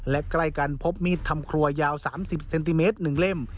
และใกล้กันพบมีดทำครัวยาว๓๐เซนติเมตร๑เล่ม